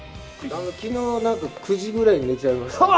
昨日９時ぐらいに寝ちゃいました。